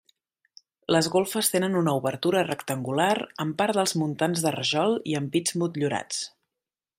Les golfes tenen una obertura rectangular amb part dels muntants de rajol i ampits motllurats.